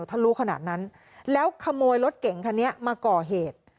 ถ้ารู้ขนาดนั้นแล้วขโมยรถเก่งคันนี้มาก่อเหตุ